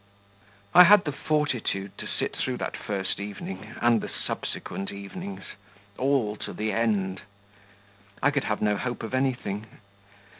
I had the fortitude to sit through that first evening and the subsequent evenings ... all to the end! I could have no hope of anything.